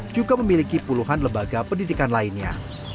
juga memiliki puluhan lembaga pendidikan lainnya